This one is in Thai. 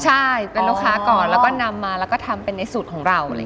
ใช่เป็นลูกค้าก่อนแล้วก็นำมาแล้วก็ทำเป็นในสูตรของเรา